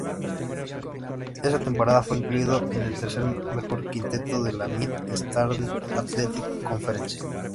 Esa temporada fue incluido en el tercer mejor quinteto de la Mid-Eastern Athletic Conference.